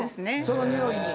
そのにおいに。